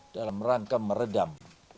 dalam rangka meredam